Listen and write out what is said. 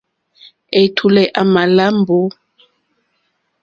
Ɛ̀tùlɛ̀ á mā lá mbǒ.